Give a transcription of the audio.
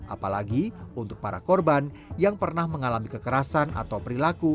apalagi untuk para korban yang pernah mengalami kekerasan atau perilaku